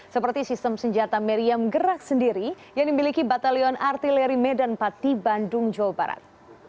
seperti sistem senjata meriam gerak sendiri yang dimiliki batalion artileri medan pati bandung jawa barat